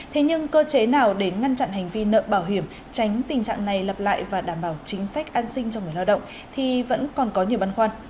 thế nhưng cơ chế nào để ngăn chặn hành vi nợ bảo hiểm tránh tình trạng này lặp lại và đảm bảo chính sách an sinh cho người lao động thì vẫn còn có nhiều băn khoăn